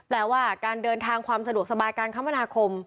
แล้วว่าการเดินทางความสะดวกสบายการคมนาคม